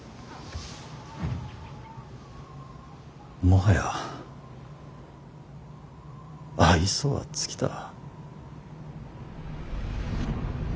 もはや愛想は尽きた。